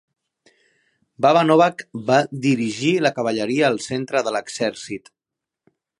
Baba Novac va dirigir la cavalleria al centre de l'exèrcit.